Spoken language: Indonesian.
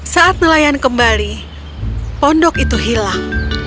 saat nelayan kembali pondok itu hilang